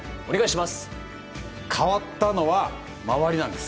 変わったのは周りなんです。